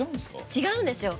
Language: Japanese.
違うんですよ。